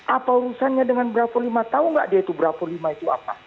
apa urusannya dengan bravo lima tahu nggak dia itu bravo lima itu apa